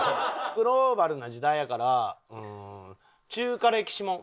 グローバルな時代やから中華歴史もん。